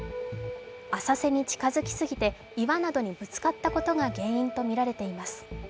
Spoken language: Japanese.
浅瀬に近づきすぎて岩などにぶつかったことなどが原因とみられています。